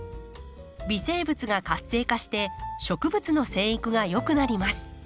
微生物が活性化して植物の生育が良くなります。